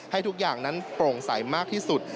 ให้ทุกอย่างนั้นโปร่งใสมากที่สุด